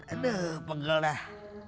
aduh pegel dah